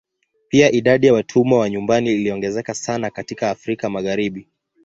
Pia idadi ya watumwa wa nyumbani iliongezeka sana katika Afrika Magharibi.